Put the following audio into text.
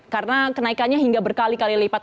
karena kenaikannya hingga berkali kali lipat